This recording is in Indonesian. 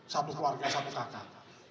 satu keluarga satu kakak